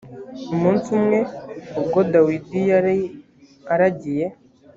umunsi umwe ubwo dawidi yari aragiye